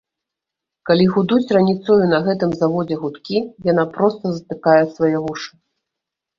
Калі гудуць раніцою на гэтым заводзе гудкі, яна проста затыкае свае вушы.